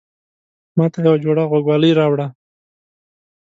ماته يوه جوړه غوږوالۍ راوړه